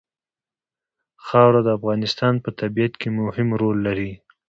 خاوره د افغانستان په طبیعت کې مهم رول لري.